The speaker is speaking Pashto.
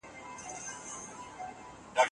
ميرمن د علم د زده کړي حق لري؟